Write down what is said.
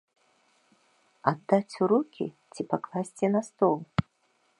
Аддаць у рукі ці пакласці на стол?